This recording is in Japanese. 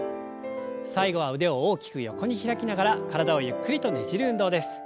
最後は腕を大きく横に開きながら体をゆっくりとねじる運動です。